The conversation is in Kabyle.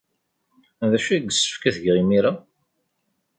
D acu ay yessefk ad t-geɣ imir-a?